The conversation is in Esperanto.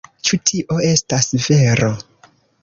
Ĉu tio estas vero?